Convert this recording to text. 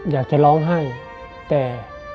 อยากจะร้องไห้แต่